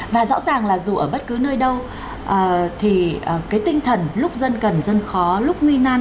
và rõ ràng là dù ở bất cứ nơi đâu thì cái tinh thần lúc dân cần dân khó lúc nguy nan